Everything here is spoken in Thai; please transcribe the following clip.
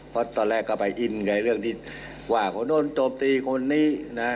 เพราะตอนแรกก็ไปอินไงเรื่องที่ว่าคนโดนตบตีคนนี้นะ